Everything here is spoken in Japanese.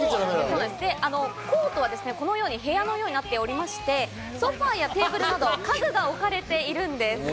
コートはこのように部屋のようになっておりまして、ソファやテーブルなど家具が置かれているんです。